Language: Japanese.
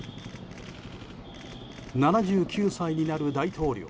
７９歳になる大統領